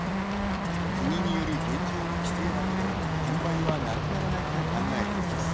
国による現状の規制だけでは転売はなくならないと考えています。